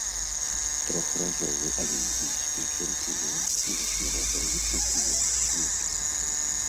Трохразовы алімпійскі чэмпіён і васьміразовы чэмпіён свету.